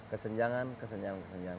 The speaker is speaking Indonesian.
kesenjangan kesenjangan kesenjangan